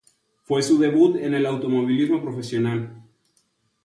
Fue su debut en el automovilismo profesional.